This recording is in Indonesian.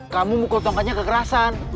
kamu mukul tongkatnya kekerasan